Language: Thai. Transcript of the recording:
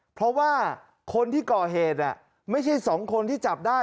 เพราะว่าคนที่ก่อเหตุไม่ใช่๒คนที่จับได้